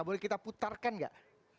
boleh kita putarkan gak